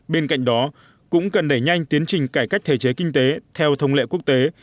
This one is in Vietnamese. bên cạnh đó cũng cần đẩy nhanh tiến trình cải cách thể chế kinh tế theo thông lệ quốc tế